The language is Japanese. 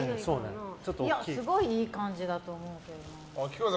すごいいい感じだと思うけどな。